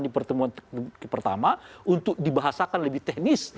di pertemuan pertama untuk dibahasakan lebih teknis